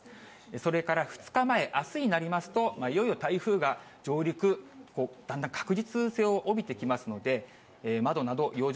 それから２日前、あすになりますと、いよいよ台風が上陸、だんだん確実性を帯びてきますので、窓など養生